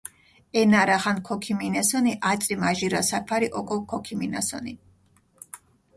ენა რახან ქოქიმინესჷნი, აწი მაჟირა საქვარი ოკო ქოქიმინასჷნი.